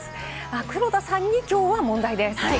黒田さんにきょうは問題です。